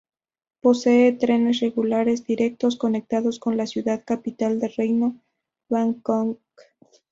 Posee trenes regulares directos conectados con la ciudad capital del reino, Bangkok.